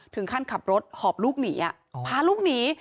ถึงขั้นขับรถหอบลูกหนีพาลูกหนี